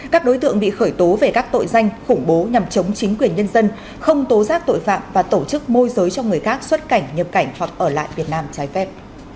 các đối tượng bị khởi tố về các tội danh khủng bố nhằm chống chính quyền nhân dân không tố giác tội phạm và tổ chức môi giới cho người khác xuất cảnh nhập cảnh hoặc ở lại việt nam trái phép